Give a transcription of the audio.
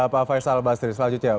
pak faisal basri selanjutnya